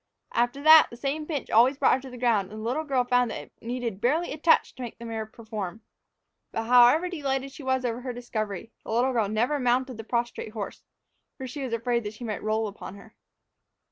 Afterward, the same pinch brought her again to the ground, and the little girl found that it needed barely a touch to make the mare perform. But however delighted she was over her discovery, the little girl never mounted the prostrate horse, for she was afraid that she might roll upon her.